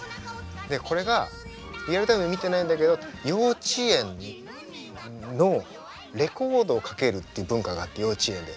これがリアルタイムで見てないんだけど幼稚園のレコードをかけるっていう文化があって幼稚園で。